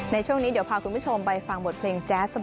ในช่วงนี้เดี๋ยวพาคุณผู้ชมไปฟังบทเพลงแจ๊ส